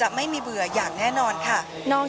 พาคุณผู้ชมไปติดตามบรรยากาศกันที่วัดอรุณราชวรรมหาวิหารค่ะ